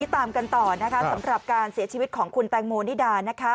ตามกันต่อนะคะสำหรับการเสียชีวิตของคุณแตงโมนิดานะคะ